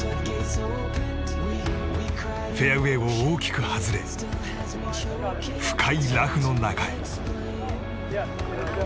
フェアウェーを大きく外れ深いラフの中へ。